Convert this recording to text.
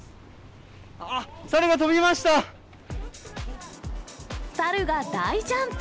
あっ、猿が大ジャンプ。